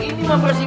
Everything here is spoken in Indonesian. ini kenapa sih